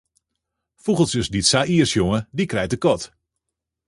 Fûgeltsjes dy't sa ier sjonge, dy krijt de kat.